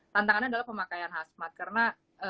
tantangannya adalah pemakaian hasmat karena